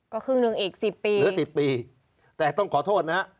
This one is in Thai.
ก็คือเรื่องอีกสิบปีเหลือสิบปีแต่ต้องขอโทษนะ